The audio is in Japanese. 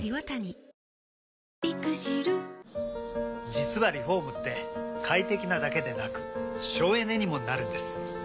実はリフォームって快適なだけでなく省エネにもなるんです。